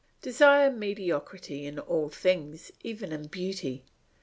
Desire mediocrity in all things, even in beauty.